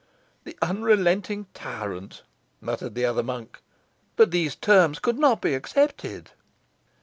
"The unrelenting tyrant!" muttered the other monk. "But these terms could not be accepted?"